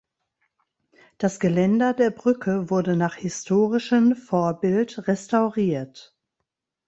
Das Geländer der Brücke wurde nach historischen Vorbild restauriert.